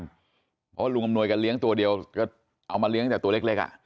เพราะว่าลุงอำนวยกันเลี้ยงตัวเดียวก็เอามาเลี้ยงตั้งแต่ตัวเล็ก